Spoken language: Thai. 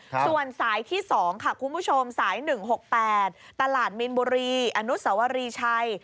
ส่วนสายที่๒ค่ะคุณผู้ชมสาย๑๖๘ตลาดมีนบุรีอนุสวรีชัย